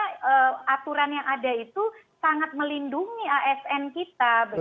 karena aturan yang ada itu sangat melindungi asn kita